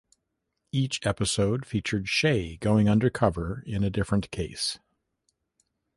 Each episode featured Shay going undercover in a different case.